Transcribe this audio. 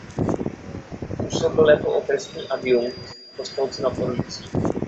Působil jako okresní adjunkt v Kostelci nad Orlicí.